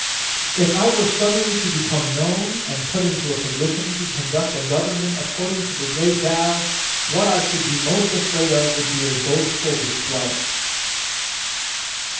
If I were suddenly to become known, and (put into a position to) conduct (a government) according to the Great Tao, what I should be most afraid of would be a boastful display.